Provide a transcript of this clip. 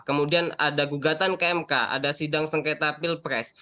kemudian ada gugatan kmk ada sidang sengketa pilpres